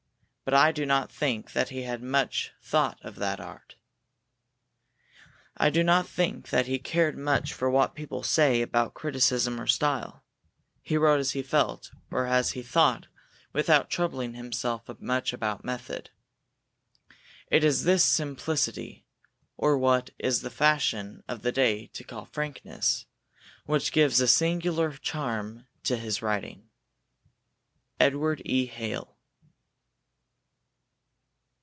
But I do not think that he thought much of art. I do not think that he cared much for what people say about criticism or style. He wrote as he felt, or as he thought, without troubling himself much about method. It is this simplicity, or what it is the fashion of the day to call frankness, which gives a singular charm to his writing. EDWARD E. HALE.